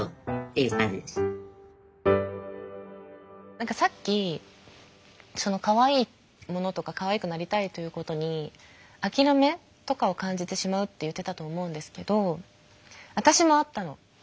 何かさっきかわいいものとかかわいくなりたいということに諦めとかを感じてしまうって言ってたと思うんですけど私もあったの。